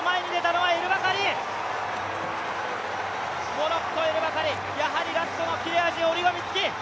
モロッコ・エルバカリ、やはりラストのキレは折り紙付き！